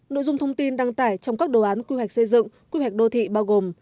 nội dung thông tin đăng tải trong các đồ án quy hoạch xây dựng quy hoạch đô thị bao gồm